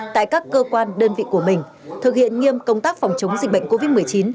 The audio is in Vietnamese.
tại các cơ quan đơn vị của mình thực hiện nghiêm công tác phòng chống dịch bệnh covid một mươi chín